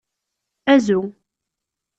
Azu.